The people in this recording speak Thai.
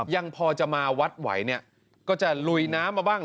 ยังพอจะมาวัดไหวเนี่ยก็จะลุยน้ำมาบ้าง